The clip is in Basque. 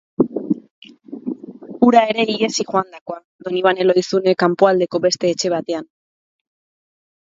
Hura ere ihesi joandakoa, Donibane Lohizune kanpoaldeko beste etxe batean...